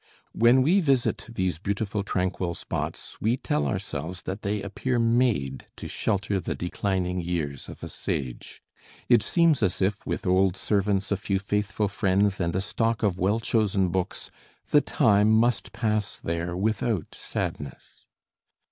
When we visit these beautiful tranquil spots, we tell ourselves that they appear made to shelter the declining years of a sage. It seems as if with old servants, a few faithful friends, and a stock of well chosen books, the time must pass there without sadness.